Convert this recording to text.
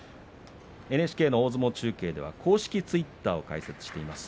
ＮＨＫ大相撲中継では公式ツイッターを開設しています。